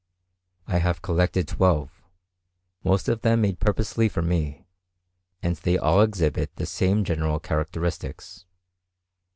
I have collected twelve, most of them made purposely for me; and they all exhibit the same general characteristics.